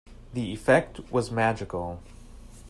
The effect was magical.